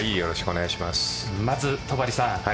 まず戸張さん